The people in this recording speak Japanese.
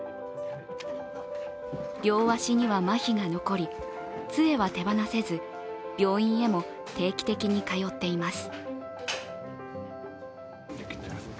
両足にはまひが残り杖は手放せず病院へも定期的に通っています。